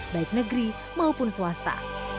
baik negeri maupun swasta